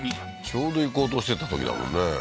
ちょうど行こうとしてたときだもんね。